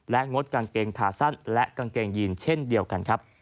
งดกางเกงขาสั้นและกางเกงยีนเช่นเดียวกันครับ